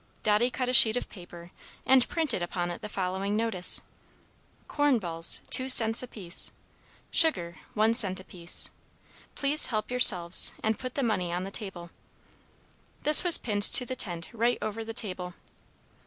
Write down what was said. Dotty cut a sheet of paper, and printed upon it the following notice: "Corn bals 2 sents apece. Sugar 1 sent apece. Plese help yure selfs and put the munney on the table." This was pinned to the tent, right over the table.